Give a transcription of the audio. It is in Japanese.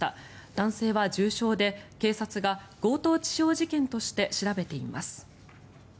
男性は重傷で警察が強盗致傷事件として調べています。